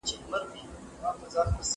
رحمان بابا وايي نه یې زور سته نه یې توان.